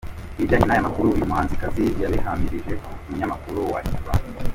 Ibijyanye n'aya makuru uyu muhanzikazi yabihamirije umunyamakuru wa Inyarwanda.